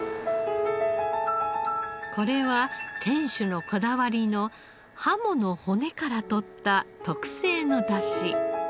これは店主のこだわりのハモの骨からとった特製の出汁。